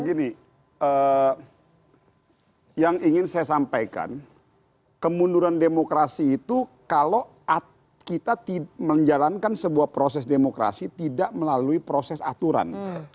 gini yang ingin saya sampaikan kemunduran demokrasi itu kalau kita menjalankan sebuah proses demokrasi tidak melalui proses aturan